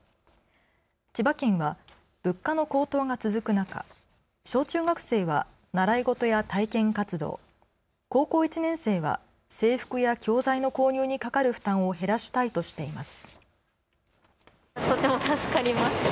千葉県は物価の高騰が続く中、小中学生は習い事や体験活動、高校１年生は制服や教材の購入にかかる負担を減らしたいとしています。